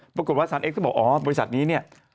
ปรากฏว่าสารเอ็กซ์บอกอ๋อบริษัทนี้เนี่ย